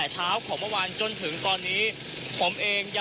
ติดตามการรายงานสดจากคุณทัศนายโค้ดทองค่ะ